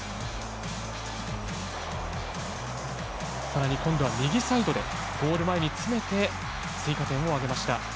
さらに、今度は右サイドでゴール前に詰めて得点を挙げました。